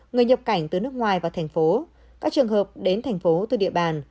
người nhập cảnh từ nước ngoài vào thành phố các trường hợp đến thành phố từ địa bàn